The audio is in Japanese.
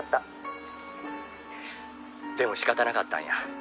「でも仕方なかったんや」